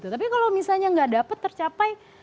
tapi kalau misalnya nggak dapat tercapai